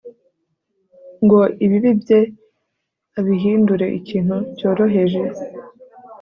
ngo ibibi bye abihindure ikintu cyoroheje